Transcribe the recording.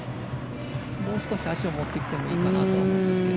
もう少し、足を持ってきてもいいかなと思うんですけど。